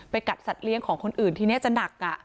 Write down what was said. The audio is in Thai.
กัดสัตว์เลี้ยงของคนอื่นทีนี้จะหนัก